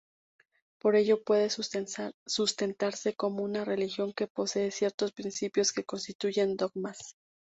Por ello puede sustentarse como una religión que posee ciertos principios que constituyen dogmas.